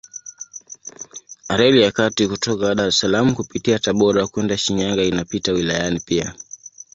Reli ya kati kutoka Dar es Salaam kupitia Tabora kwenda Shinyanga inapita wilayani pia.